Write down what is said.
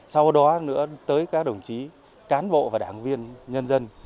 sau đó nữa tới các đồng chí cán bộ và đảng viên nhân dân